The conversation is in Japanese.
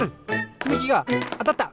つみきがあたった！